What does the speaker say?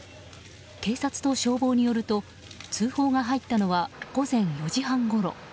警察と消防によると通報が入ったのは午前４時半ごろ。